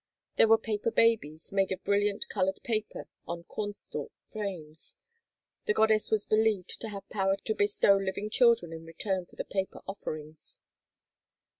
There were paper babies, made of brilliant colored paper on cornstalk frames. (The goddess was believed to have power to bestow living children in return for the paper offerings.)